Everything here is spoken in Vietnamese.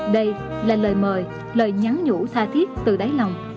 đây là lời mời lời nhắn nhủ tha thiết từ đáy lòng